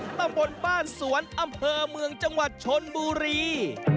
ตำบลบ้านสวนอำเภอเมืองจังหวัดชนบุรี